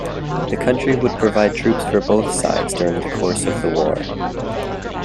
The county would provide troops for both sides during the course of the war.